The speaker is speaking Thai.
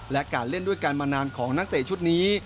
และการเล่นด้วยกันมานานของนักเตะชุดนี้